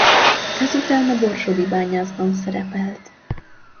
Ezután a Borsodi Bányászban szerepelt.